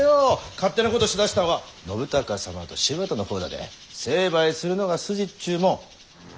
勝手なことしだしたんは信孝様と柴田の方だで成敗するのが筋っちゅうもん。